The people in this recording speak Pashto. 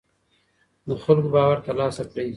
د خلکو باور تر لاسه کړئ